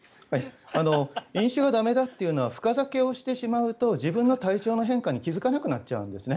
飲酒が駄目だというのは深酒をしてしまうと自分の体調の変化に気付かなくなっちゃうんですね。